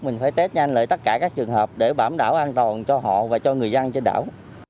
mình phải test nhanh lại tất cả các trường hợp để bảo đảm an toàn cho họ và cho người dân trên đảo